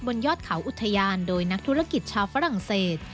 บนยอดเขาอุทยานโดยนักธุรกิจชาวฝรั่งเศส